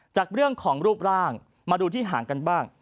จากเรื่องของรูปร่างมาดูที่ห่างกันบ้าง